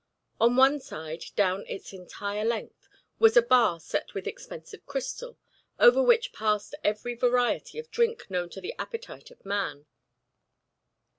On one side, down its entire length, was a bar set with expensive crystal, over which passed every variety of drink known to the appetite of man.